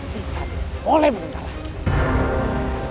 kita boleh menunda lagi